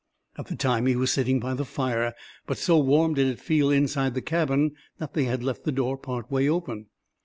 At the time he was sitting by the fire, but so warm did it feel inside the cabin that they had left the door part way open.